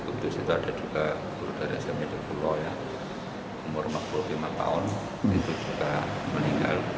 di kudus itu ada juga guru dari smp tiga jekulo yang umur empat puluh lima tahun itu juga meninggal